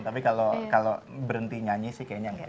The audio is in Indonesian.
tapi kalau kalau berhenti nyanyi sih kayaknya enggak